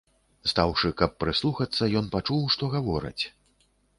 Стаўшы, каб прыслухацца, ён пачуў, што гавораць.